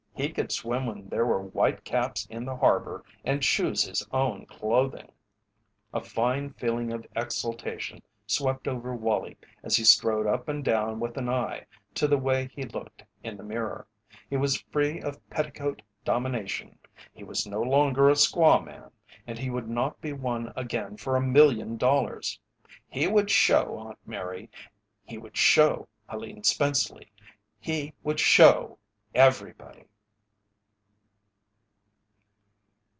He could swim when there were white caps in the harbour and choose his own clothing. A fine feeling of exultation swept over Wallie as he strode up and down with an eye to the way he looked in the mirror. He was free of petticoat domination. He was no longer a "squaw man," and he would not be one again for a million dollars! He would "show" Aunt Mary he would "show" Helene Spenceley he would "show" _everybody!